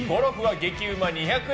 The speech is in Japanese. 激ウマ２００円